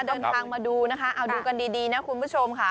เดินทางมาดูนะคะเอาดูกันดีนะคุณผู้ชมค่ะ